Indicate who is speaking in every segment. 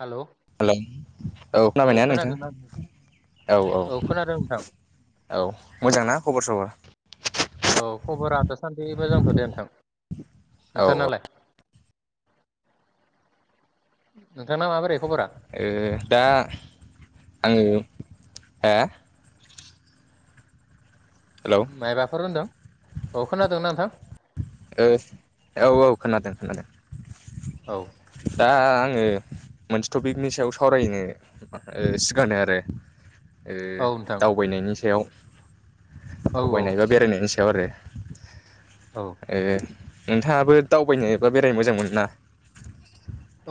Speaker 1: Hello
Speaker 2: hello औ खोनाबायना नोंथां औ औ
Speaker 1: खोनादों नोंथां
Speaker 2: औ मोजां ना खबर सबर।
Speaker 1: औ खबरा दासान्दि मोजांथ' दे नोंथां
Speaker 2: औ
Speaker 1: नोंथांनालाय। नोंथांना माबोरै खबरा
Speaker 2: ओ दा आङो हा हेलौ
Speaker 1: मायबाफोर होनदों। औ खोनादोंना नोंथां।
Speaker 2: ओ औ औ खोनादों खोनादो।
Speaker 1: औ।
Speaker 2: दा आङो मोनसे टपिकनि सायाव सावरायनो सिगांदो आरो।
Speaker 1: औ नोंथां
Speaker 2: दावबायनायनि सायाव।
Speaker 1: औ औ
Speaker 2: दावबायनाय बा बेरायनायनि सो याव आरो
Speaker 1: औ
Speaker 2: ए नोंथाङाबो दावबायनोबा बेरायनो मोजां मोनो ना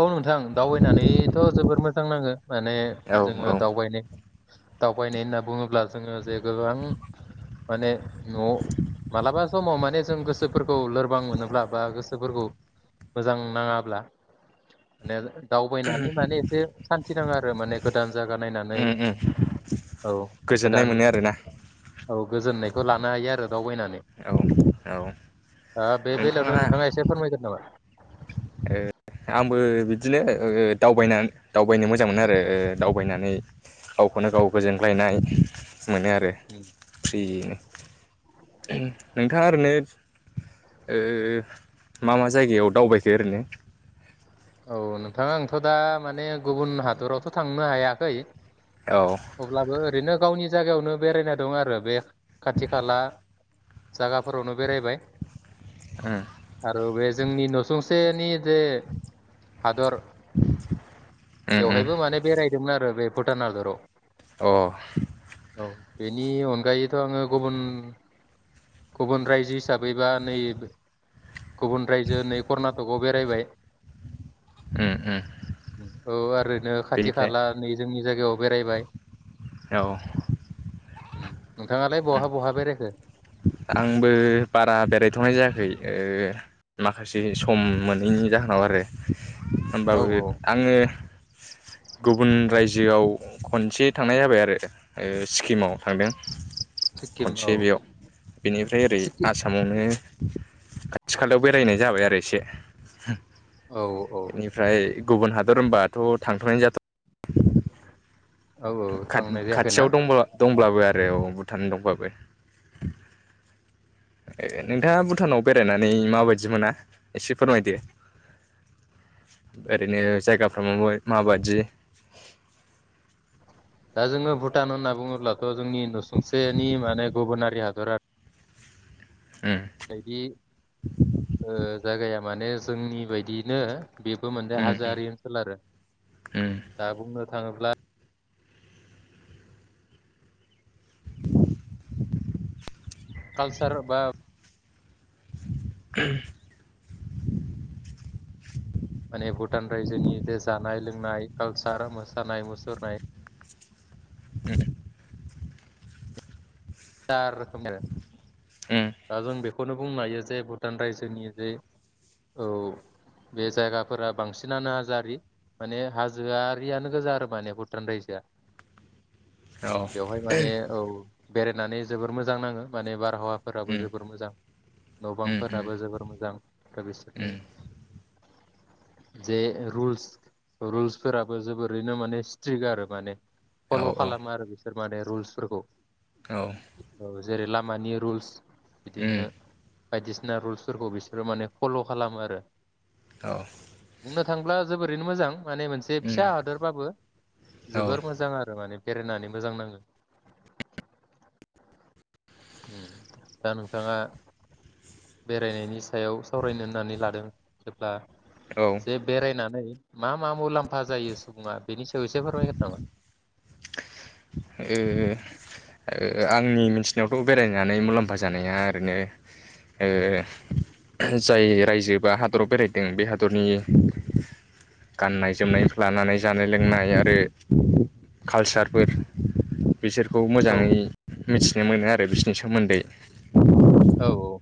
Speaker 1: औ नोंथां दावबायनानैथ' जोबोर मोजां नाङो माने
Speaker 2: औ औ
Speaker 1: जोङो दावबायनाय दावबायनाय होनना बुङोब्ला जोङो जे गोबां माने न' मालाबा समाव माने जों गोसोफोरखौ लोरबां मोनोब्ला बा गोसोफोरखौ मोजां नाङाब्ला ने दावबायनानै माने एसे सान थि नाङो आरो माने गोदान जागा नायनानै
Speaker 2: उम उम
Speaker 1: औ
Speaker 2: गोजोननाय
Speaker 1: गोदान
Speaker 2: मोनो आरोना
Speaker 1: औ गोजोननाय खौ लानो हायो आरो दावबायना
Speaker 2: औ औ।
Speaker 1: बे बेलायावनो
Speaker 2: नोंथाङा
Speaker 1: एसे फोरमायगोन नामा?
Speaker 2: ओ आंबो बिदिनो ओ दावबायना दावबायनो मोजां मोनो आरो ओ दावबायनानै गावखौनो गाव गोजोनग्लायनाय मोनो आरो
Speaker 1: उम
Speaker 2: फ्रिनो [unintelligible] नोंथाङा ओरैनो ओ मा मा जायगायाव दावबाय खो ओरैनो
Speaker 1: औ नोंथां आंथ' दा माने गुबुन हादरावथ' थांनो हायाखै।
Speaker 2: औ
Speaker 1: अब्लाबो ओरैनो गावनि जायगायावनो बेरायनाय दं आरो बे खाथि खाला जागाफोरावनो बेरायबाय।
Speaker 2: उम
Speaker 1: आरो बे जोंनि न'सुंसेनि जे हादर
Speaker 2: उम उम
Speaker 1: बेवहायबो माने बेरायदोंमोन आरो बे भुटान हादराव।
Speaker 2: अ।
Speaker 1: औ बेनि अनगायैथ' आङो गुबुन गुबुन रायजो हिसाबैबा नै गुबुन रायजो नै कर्नाटकआव बेरायबाय।
Speaker 2: उम उम
Speaker 1: औ आरो नो खाथि
Speaker 2: बेनिफ्राय
Speaker 1: खाला नै जोंनि जायगायाव बेरायबाय।
Speaker 2: औ।
Speaker 1: उम। नोंथाङालाय
Speaker 2: उम
Speaker 1: बहा बहा बेरायखो?
Speaker 2: आंबो बारा बेरायथ'नाय जायाखै। ओ माखासे सम मोनैनि जाहोनाव आरो
Speaker 1: औ
Speaker 2: होनबाबो
Speaker 1: औ
Speaker 2: आङो गुबुन रायजोआव खनसे थांनाय जाबाय आरो ओ सिक्किमाव थांदों।
Speaker 1: सिक्किम
Speaker 2: खनसे
Speaker 1: औ।
Speaker 2: बेयाव बेनिफ्राय ओरै
Speaker 1: सिक्किम
Speaker 2: आसामावनो बिनो खाथि खालायाव बेरायनाय जाबाय आरो एसे।
Speaker 1: औ औ।
Speaker 2: बेनिफ्राय गुबुन हादर होनबाथ' थांथ'नो जाथ'
Speaker 1: औ औ
Speaker 2: खा
Speaker 1: थांनाय जायाखैना
Speaker 2: खाथियाव दंबा दंब्लाबो आरो औ भुटान दंब्लाबो। नोंथाङा भुटानाव बेरायनानै माबायदि मोना एसे फोरमायदो ओरैनो जायगाफ्रा मा माबायदि।
Speaker 1: दा जोङो भुटान होनना बुङोब्ला। थ' जोंनि नुसुंसेनि माने गुबुनारि हाब हादर
Speaker 2: उम
Speaker 1: बायदि ओ। जायगाया माने जोंनि बायदियैनो। बेबो मोन
Speaker 2: उम
Speaker 1: हाजोआरि ओनसोल आरो,
Speaker 2: उम उम
Speaker 1: दा बुंनो थाङोब्ला। कालसार बा
Speaker 2: [inaudible]
Speaker 1: माने भुटान रायजोनि जे जानाय लोंनाय कालसार मोसानाय मुसुरनाय।
Speaker 2: [inaudible]
Speaker 1: जा रोखोमनि आरो।
Speaker 2: उम
Speaker 1: दा जों बेखौ। बेखौनो बुंनो हायो जे भुटान रायजोनि जे औ बे जायगाफोरा बांसिनानो हाजोआ माने हाजोआरियानो गोजा आरो माने भुटान रायजोआ।
Speaker 2: औ।
Speaker 1: बे होननानै जोबोर मोजां नाङो माने बारहावा। फोराबो
Speaker 2: उम
Speaker 1: जोबोर मोजां
Speaker 2: उम उम
Speaker 1: न'बांफोराबो जोबोर मोजां। दान बेसोरनि।
Speaker 2: उम
Speaker 1: जे रुलस रुल्सफोराबो जोबोरैनो माने स्ट्रिक् आरो माने।
Speaker 2: औ
Speaker 1: फल'
Speaker 2: औ
Speaker 1: खालामो आरो बे फोर माने रुल्सफोरखौ।
Speaker 2: औ
Speaker 1: औ जेरै लामानि रुल्स
Speaker 2: उम
Speaker 1: बिदिनो बायदिसिना रुल्सफोरखौ बिसोरो माने फल' खालामो आरो
Speaker 2: औ
Speaker 1: बुंनो थाङोब्ला जोबोरैनो मोजां माने मोनसे
Speaker 2: उम
Speaker 1: फिसा हादरबाबो
Speaker 2: औ
Speaker 1: जोबोर मोजां आरो माने बेरायनानै मोजां नाङो। दा नोंथाङा बेरायनायनि सायाव सावरायनो होननानै लादों जेब्ला
Speaker 2: ओ
Speaker 1: जे बेरायनानै मा मा मुलाम्फा जायो सुबुङा बेनि सायाव एसे फोरमायगो नामा?
Speaker 2: आंनि मिथिनायावथ' बेरायनानै मुलाम्फा जानाया ओरैनो जाय रायजो बा हादराव बेरायदों बे हादरनि गाननाय जोमनाय लानानै जानाय लोंनाय आरो कालसारफोर। बिसोरखौ
Speaker 1: औ
Speaker 2: मोजाङै। मिथिनो मोनो आरो बिसनि सोमोन्दै।
Speaker 1: औ औ।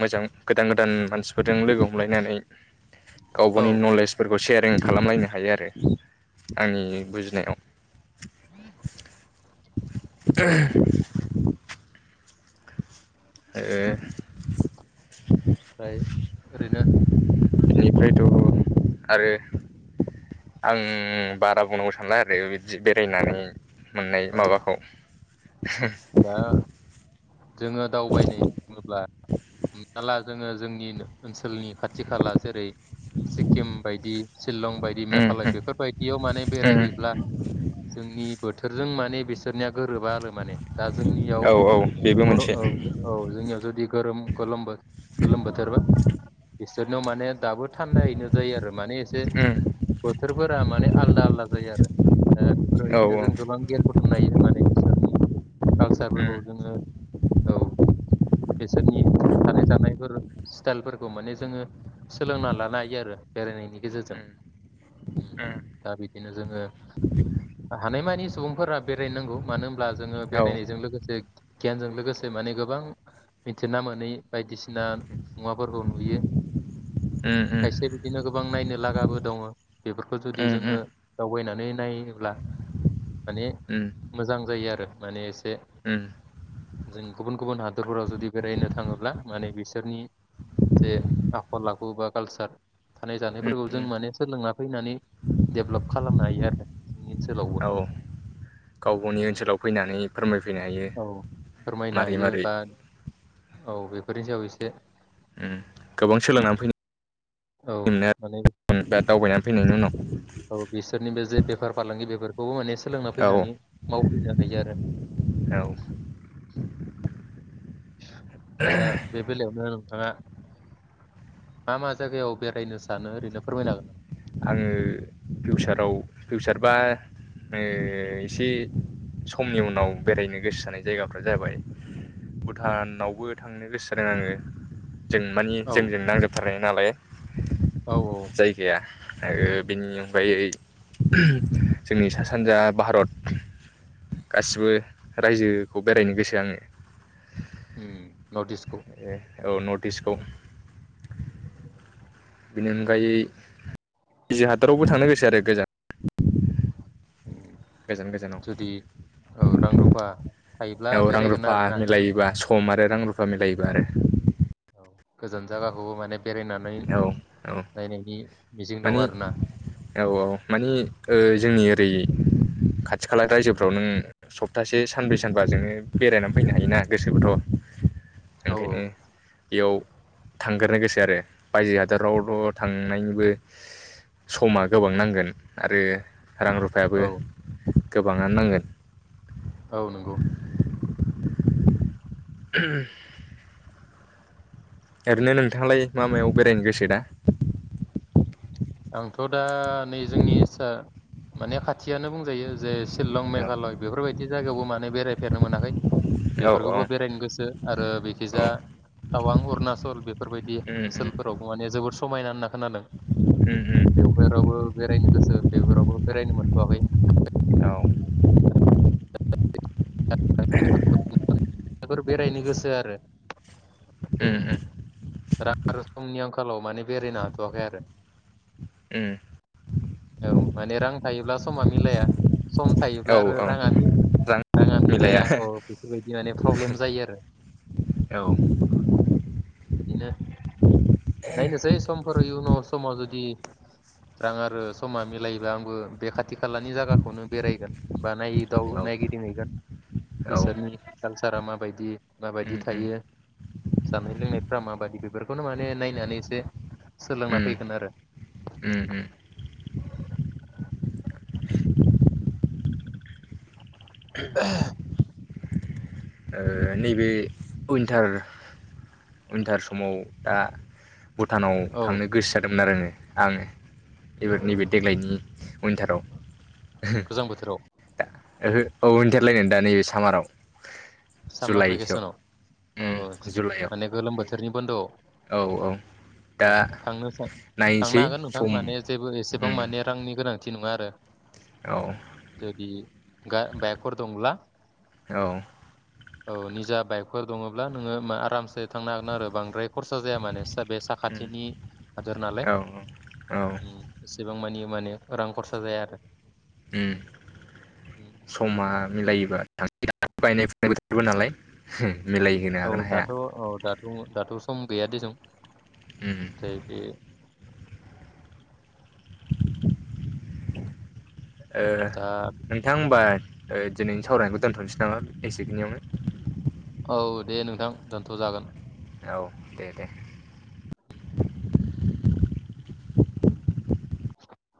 Speaker 2: मोजां गोदान गोदान मानसिफोरजों लोगो हमलायनानै। गाव
Speaker 1: औ
Speaker 2: गावनि नलेजफोरखौ सेयार रें खालामलायनो हायो आरो आंनि बुजिनायाव। [unintelligible] आरो
Speaker 1: ओमफ्राय ओरैनो।
Speaker 2: जेहेतु आरो आं बारा बुंनांगौ सानला आरो बिदि बेरायनानै। मोननाय
Speaker 1: औ
Speaker 2: माबाखौ।।
Speaker 1: औ दा जोङो दावबायनो बुङोब्ला। हमना ला जोङो जोंनिन ओनसोलनि खाथि खाला जेरै सिक्किम बायदि सिलं बायदि
Speaker 2: उम
Speaker 1: मेघालय
Speaker 2: उम
Speaker 1: बेफोरबायदियाव माने
Speaker 2: उम
Speaker 1: बेरायहैब्ला जोंनि बो जों माने बिसोरनिया गोरोबा आरो माने। दा जोंनियाव
Speaker 2: औ औ बेबो
Speaker 1: बर'
Speaker 2: मोनसे
Speaker 1: औ औ जोंनियाव जुदि गोरोम गोलोम बो गोलोम बोथोरबा बिसोरनयाव माने दाबो थान्दायैनो जायो आरो माने एसे
Speaker 2: उम
Speaker 1: बो बोथोरफोरा माने आलदा आलदा जायो आरो ओ
Speaker 2: औ
Speaker 1: बेफोरबायदिनो
Speaker 2: औ
Speaker 1: जों गोबां गियान बुथुमनो हायो माने बिसोरनि
Speaker 2: उम
Speaker 1: कालसारफोरखौ जोङो औ बिसोरनि थानाय जानायफोर स्टाइलफोरखौ माने जोङो सोलोंना लानो हायो आरो बेरायनायनि
Speaker 2: उम।
Speaker 1: गेजेरजों उम
Speaker 2: औ
Speaker 1: दा बिदिनो जोङो हानायमानि सुबुंफोरा बेरायनांगौ मानो होनब्ला जोङो
Speaker 2: उम
Speaker 1: बेरायनायजों लोगोसे गियानजों लोगोसे माने गोबां मिथिना मोनै बायदिसिना मुवाफोरखौ नुयो।
Speaker 2: उम
Speaker 1: खायसे बिदिनो गोब गोबां नायनो लागाबो दङ बेफोरखौ जुदि
Speaker 2: उम
Speaker 1: जोङो दावबायनानै नायोब्ला माने
Speaker 2: उम
Speaker 1: मोजां जायो आरो माने एसे
Speaker 2: उम
Speaker 1: जों गुबुन गुबुन हादरफोराव जुदि बेरायनो थाङोब्ला माने बिसोरनि जे आखल आखु बा कालसार थानाय
Speaker 2: उम
Speaker 1: जानायफोरखौ जों
Speaker 2: उम
Speaker 1: माने सोलोंना फैनानै डेभलप खालामनो हायो आरो जोंनि ओनसोलावबो‌।
Speaker 2: औ गाव गावनि ओनसोलाव फैनानै फोरमायफैनो हायो
Speaker 1: औ फोरमायनो
Speaker 2: मारै मारै
Speaker 1: [unintelligible] फोरनि सायाव एसे
Speaker 2: उ गोबां सोलोंनानै फै
Speaker 1: औ माने
Speaker 2: [unintelligible] दावबायनानै फैनायनि उनाव
Speaker 1: औ बिसोरनि बे जे बेफार फालांगि बेफोरखौबो माने सो सोलोंना
Speaker 2: औ
Speaker 1: फैनानै मावफैनो हायो आरो।
Speaker 2: औ
Speaker 1: दा बे बेलायावनो थाङा मा मा जायगायाव बेरायनो सानो ओरैनो फोरमायनो हागोन ना
Speaker 2: आङो फिउचाराव फिउचार बा ओ एसे समनि उनाव बेरायनो गोसो जानाय जायगाफ्रा जाबाय भुटानावबो थांनो गोसो जादों आङो। जों मानि
Speaker 1: औ
Speaker 2: जोंजों नांजोबथारनाय नालाय
Speaker 1: औ औ
Speaker 2: जायगाया आरो बेनि अनगायै जोंनि सा सानजा भारत गासिबो रायजोखौ बेरायनोगोसो आङो।
Speaker 1: उम नर्थइस्ट खौ।
Speaker 2: औ नर्थइस्ट खौ। बेनि अनगायै [unintelligible] हादरावबो थांनो गोसो आरो गोजान। गोजान गोजानाव
Speaker 1: जुदि औ रां रुफा थायोब्ला बेरायगोन आरोना।
Speaker 2: खम आरो रां रुफा मिलायोबा आरो।
Speaker 1: गोजान जागाखौबो माने बेरायनानै
Speaker 2: औ औ
Speaker 1: नायनायनि मिजिं दं
Speaker 2: मानि
Speaker 1: आरोना।
Speaker 2: औ औ मानि ओह जोंनि ओरै खाथि खाला रायजोफ्राव नों सप्तासे सानब्रै सानबाजोंङो बेरायनानै फैनो हायोना गोसोबाथ'।
Speaker 1: औ
Speaker 2: ओंखायनो बेयाव थांग्रोनो गोसोआरो। बायजो हादरावल थांनायनिबो समा गोबांनांगोन आरो रां रुफायाबो
Speaker 1: औ
Speaker 2: गोबाङानो नांगोन।
Speaker 1: औ नोंगौ।
Speaker 2: [inaudible] ओरैनो नोंथाङालाय मा मायाव बेरायनोगोसो दा?
Speaker 1: आंथ दा नै जोंनिसा माने खाथियानो बुंजायो जे शिलं मेघालय बेफोरबायदि जागायावबो माने बेराय फेरनो मोनाखै
Speaker 2: औ
Speaker 1: बेफोरखोबो
Speaker 2: औ
Speaker 1: बेरायनो गोसो आरो
Speaker 2: औ
Speaker 1: बेखिजा टावां अरुणाचल बेफोरबायदि
Speaker 2: उम
Speaker 1: ओनसोलफोरावबो माने जोबोर स समायना होनना खोनादों।
Speaker 2: उम उम
Speaker 1: बेवफोरावबो बेरायनोगोसो बेफोरावबो बेरायनो मोनथवाखै।
Speaker 2: औ।
Speaker 1: [unintelligible] बेफोर बेरायनो गोसो आरो। बे
Speaker 2: ओम ओम।
Speaker 1: रां आरो समनि आंखालाव माने बेरायनो हाथवाखैआरो।
Speaker 2: ओम।
Speaker 1: औ माने रां थायोब्ला समा मिलाया सम थायोब्ला
Speaker 2: औ
Speaker 1: आरो
Speaker 2: औ
Speaker 1: राङा मि
Speaker 2: मोजां
Speaker 1: राङा मिलाया अ बेफोरबायदि माने प्रब्लेम जायोआरो।
Speaker 2: औ
Speaker 1: बिदिनो नायनोसै समफोराव इयुनाव समाव जुदि रां आरो समा मिलायोबा आंबो बे खाथि खालानि जागाखौनो बेरायगोन बा नायदाव
Speaker 2: औ
Speaker 1: नायगि दिंहैगोन
Speaker 2: औ
Speaker 1: बिसोरनि कालसारा माबायदि माबायदि
Speaker 2: उम उम
Speaker 1: थायो जानाय लोंनायफ्रा माबादि बेफोरखौनो माने नायनानै एसे सोलोंना
Speaker 2: उम
Speaker 1: फैगोनआरो।
Speaker 2: उम उम
Speaker 1: [inaudible]
Speaker 2: ओ नैबे उयिन्तार उयिन्तार समाव दा भुटानाव
Speaker 1: औ
Speaker 2: थांनो गोसो जादोंमोन आरो आङो। आङो एबार नैबे देग्लायनि उइनटाराव
Speaker 1: गोजां बोथोराव
Speaker 2: ओहो औ उन्थारलायनो दा नैबे सामाराव
Speaker 1: सामार
Speaker 2: जुलाइसोआव
Speaker 1: भेकेसनाव? औ
Speaker 2: उम
Speaker 1: आदसा
Speaker 2: जुलाइआव
Speaker 1: माने गोलोम बोथोरनि बन्दोआव
Speaker 2: औ औ
Speaker 1: औ
Speaker 2: दा
Speaker 1: थांनो थांनो
Speaker 2: नायनोसै
Speaker 1: हागोन नोंथां
Speaker 2: सम
Speaker 1: माने जेबो एसेबां
Speaker 2: उम
Speaker 1: माने रांनि गोनां थि नङा आरो?
Speaker 2: औ
Speaker 1: जुदि गा बाइकफोर दंब्ला
Speaker 2: औ
Speaker 1: औ निजा बाइकफोर दङब्ला नोङो आरामसे थांनो हागोन आरो बांद्राय खरसा जाया मानि सा बे साखाथिनि हादर नालाय।
Speaker 2: औ औ
Speaker 1: ओम एसेबां मानि माने रां खरसा जाया आरो।
Speaker 2: ओम
Speaker 1: उम
Speaker 2: समा मिलायोबा। [unintelligible] गायनाय फुनाय बोथोरबो नालाय। मिलायहोनो
Speaker 1: औ
Speaker 2: हागोना हाया।
Speaker 1: दाथ' औ दाथ' दाथ' सम गैया दे जों
Speaker 2: उम
Speaker 1: जायोबे
Speaker 2: ओ
Speaker 1: दा
Speaker 2: नोंथां होमबा। ओ दिनैनि सावरायनायखौ दोनथनसै नामा एसेखिनियावनो।
Speaker 1: औ दे नोंथां दोनथ'जागोन
Speaker 2: औ दे दे